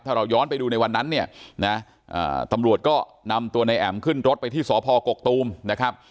ถ้าเราย้อนไปดูในวันนั้นเนี่ยนะตำรวจก็นำตัวในแอ๋มขึ้นรถไปที่สพกกตูมนะครับ